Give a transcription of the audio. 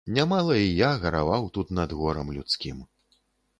Нямала і я гараваў тут над горам людскім.